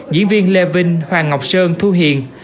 diễn viên lê vinh hoàng ngọc sơn thu hiền